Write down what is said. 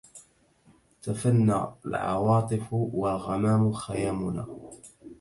تفنى العواصف والغمام خيامنا